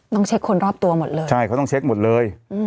ต้องเช็คคนรอบตัวหมดเลยใช่เขาต้องเช็คหมดเลย